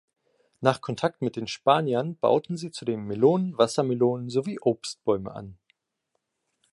Nach Kontakt mit den Spaniern bauten sie zudem Melonen, Wassermelonen sowie Obstbäume an.